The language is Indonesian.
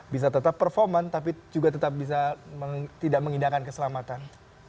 bisa tetap performan tapi juga tetap bisa tidak mengindahkan keselamatan